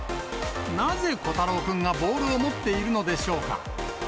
なぜ虎太郎君がボールを持っているのでしょうか。